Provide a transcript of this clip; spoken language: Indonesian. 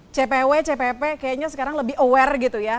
cpw cpp kayaknya sekarang lebih aware gitu ya